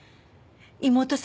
妹さんが。